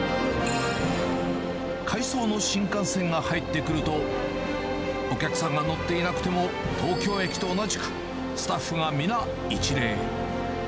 回送の新幹線が入ってくると、お客さんが乗っていなくても東京駅と同じく、スタッフが皆一礼。